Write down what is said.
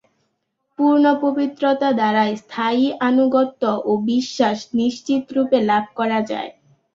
পূর্ণ পবিত্রতা দ্বারাই স্থায়ী আনুগত্য ও বিশ্বাস নিশ্চিতরূপে লাভ করা যায়।